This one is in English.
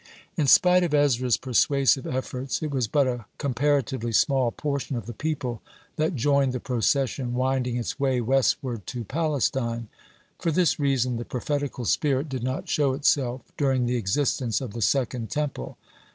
(35) In spite of Ezra's persuasive efforts, it was but a comparatively small portion of the people that joined the procession winding its way westward to Palestine. For this reason the prophetical spirit did not show itself during the existence of the Second Temple.